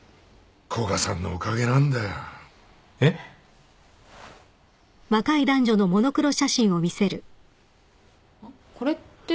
古賀さんのおかげなんだよ。えっ？あっこれって？